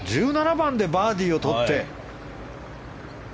１７番でバーディーをとって。